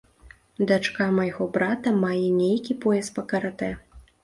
Дачка майго брата мае нейкі пояс па каратэ.